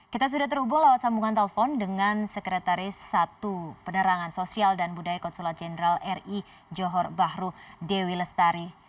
kita sudah terhubung lewat sambungan telepon dengan sekretaris satu penerangan sosial dan budaya konsulat jenderal ri johor bahru dewi lestari